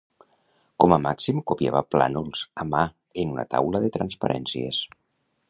Com a màxim copiava plànols a mà en una taula de transparències